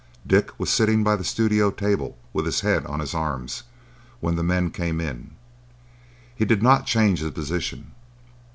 Dick was sitting by the studio table, with his head on his arms, when the men came in. He did not change his position.